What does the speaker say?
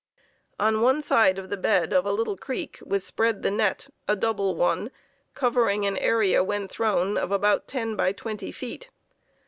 On one side of the bed of a little creek was spread the net, a double one, covering an area when thrown, of about ten by twenty feet.